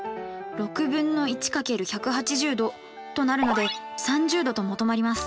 ６分の１×１８０°となるので３０°と求まります。